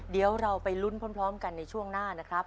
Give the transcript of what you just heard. เดี๋ยวเราไปลุ้นพร้อมกันในช่วงหน้านะครับ